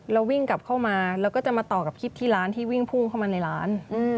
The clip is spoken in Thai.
แล้ววิ่งกลับเข้ามาแล้วก็จะมาต่อกับคลิปที่ร้านที่วิ่งพุ่งเข้ามาในร้าน